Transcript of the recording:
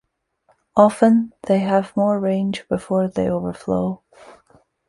Often, they have more range before they overflow.